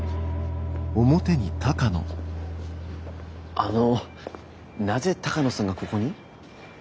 あのなぜ鷹野さんがここに？